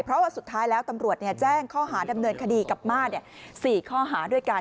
เพราะว่าสุดท้ายแล้วตำรวจแจ้งข้อหาดำเนินคดีกับมาส๔ข้อหาด้วยกัน